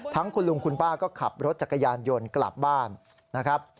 คุณลุงคุณป้าก็ขับรถจักรยานยนต์กลับบ้านนะครับ